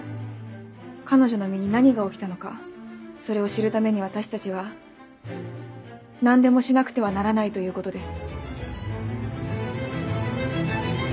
彼女の身に何が起きたのかそれを知るために私たちは何でもしなくてはならないということです。